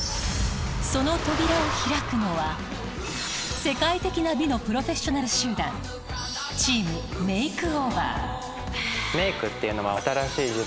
その扉を開くのは世界的な美のプロフェッショナル集団メイクっていうのは。